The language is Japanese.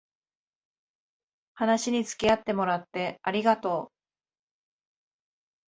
話につきあってもらってありがとう